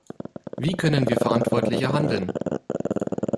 Wie können wir verantwortlicher handeln?